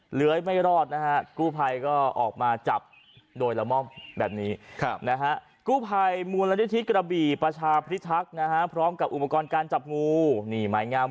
เหลือยไม่รอดกู้ไภก็ออกมาจับโดยระม่อมแบบนี้